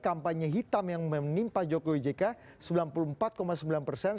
kampanye hitam yang menimpa jokowi jk sembilan puluh empat sembilan persen